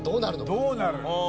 どうなる？